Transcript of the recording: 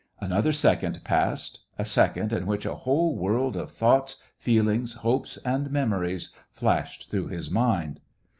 Another second passed — a second in which a whole world of thoughts, feelings, hopes, and memories flashed through his mind.